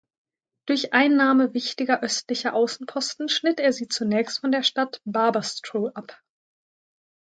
Durch Einnahme wichtiger östlicher Außenposten schnitt er sie zunächst von der Stadt Barbastro ab.